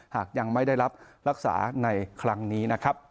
หากยังไม่ได้รับรักษาในครั้งนี้นะครับ